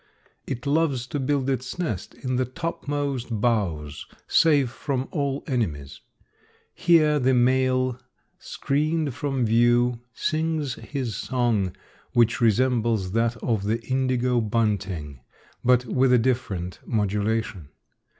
It loves to build its nest in the topmost boughs, safe from all enemies. Here the male, screened from view, sings his song, which resembles that of the indigo bunting, but with a different modulation.